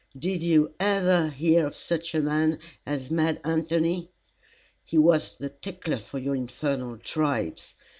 Did you ever hear of such a man as Mad Anthony? He was the tickler for your infernal tribes!